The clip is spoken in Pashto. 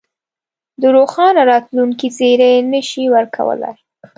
د روښانه راتلونکې زېری نه شي ورکولای.